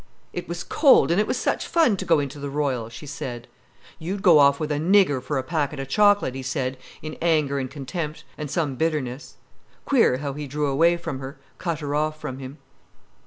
"It was cold, and it was such fun to go into the Royal," she said. "You'd go off with a nigger for a packet of chocolate," he said, in anger and contempt, and some bitterness. Queer how he drew away from her, cut her off from him.